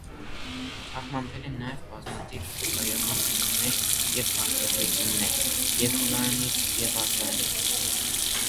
Թարգմանվել են նաև բազմաթիվ վկայաբանություններ և վարքագրություններ՝ և հունարենից, և ասորերենից։